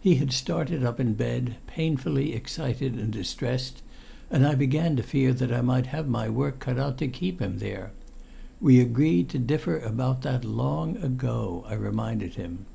He had started up in bed, painfully excited and distressed, and I began to fear that I might have my work cut out to keep him there. "We agreed to differ about that long ago," I reminded him.